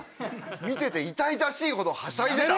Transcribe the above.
見てて痛々しいほどはしゃいでた。